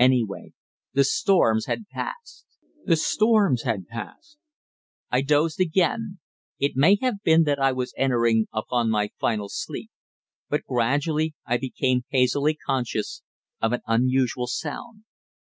Anyway, the storms had passed! the storms had passed! I dozed again. It may have been that I was entering upon my final sleep. But gradually I became hazily conscious of an unusual sound.